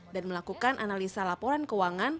dan melakukan analisa laporan keuangan